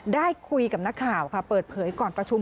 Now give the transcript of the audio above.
ได้คุยกับนักข่าวค่ะเปิดเผยก่อนประชุม